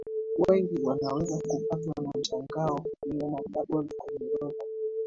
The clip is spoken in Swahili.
Wengi wanaweza kupatwa na mshangao kuiona Gabon kwenye orodha hii